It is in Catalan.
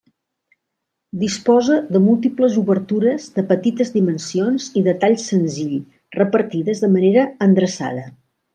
Disposa de múltiples obertures de petites dimensions i de tall senzill repartides de manera endreçada.